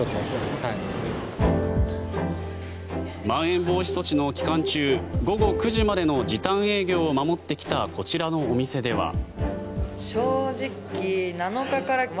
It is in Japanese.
まん延防止措置の期間中午後９時までの時短営業を守ってきたこちらのお店では。